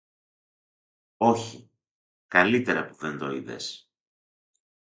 Όχι, καλύτερα που δεν το είδες!